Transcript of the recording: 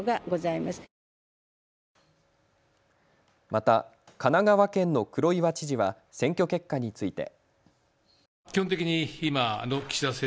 また神奈川県の黒岩知事は選挙結果について。